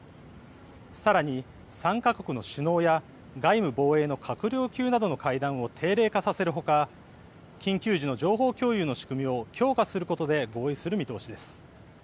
さらに３か国の首脳や外務防衛の閣僚級などの会談を定例化させるほか緊急時の情報共有の仕組みを強化することで合意する見通しです。